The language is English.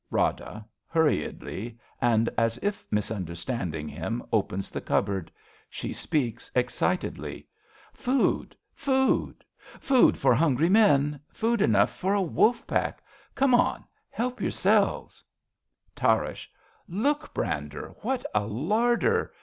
Rada {hurriedly, and as if misunder standing him,, opens the cupboard. She speaks excitedly). Food ! Food ! Food for hungry men. Food enough for a wolf pack. Come on. Help yourselves ! 29 RADA Tarrasch, Look, Brander ! What a larder